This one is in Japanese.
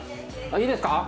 いいですか？